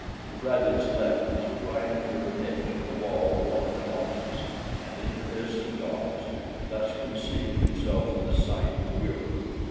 To Bradley's left was a triangular niche in the wall of one of the houses and into this he dodged, thus concealing himself from the sight of the Wieroo.